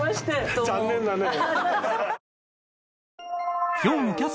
残念だね。